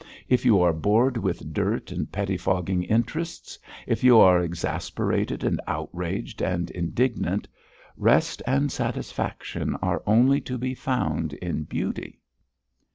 If you are bored with dirt and pettifogging interests, if you are exasperated and outraged and indignant, rest and satisfaction are only to be found in beauty."